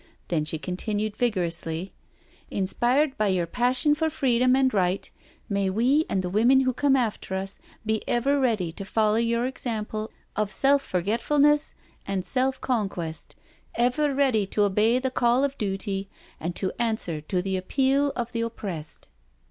Then she continued vigor ously :" Inspired by your passion for freedom and right, may we and the women who come after us be ever ready to foUer your example of self forgetfulness and self conquest; ever ready to obey the call of dooty, and to answer to the appeal of the oppressed."